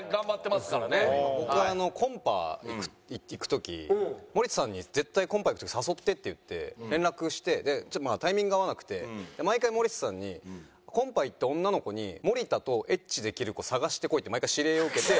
僕あのコンパ行く時森田さんに「絶対コンパ行く時誘って」って言って連絡してでちょっとまあタイミングが合わなくて毎回森田さんに「コンパ行って女の子に森田とエッチできる子探してこい」って毎回指令を受けて。